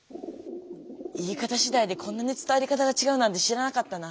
言い方しだいでこんなに伝わり方がちがうなんて知らなかったな。